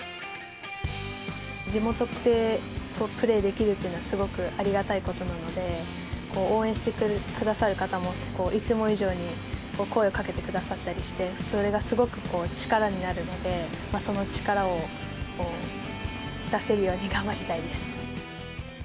地元でプレーできるっていうのは、すごくありがたいことなので、応援してくださる方もいつも以上に声をかけてくださったりして、それがすごく力になるので、その力を出せるように頑張りたいです。